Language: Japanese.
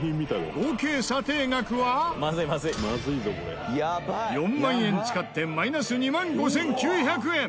合計査定額は４万円使ってマイナス２万５９００円。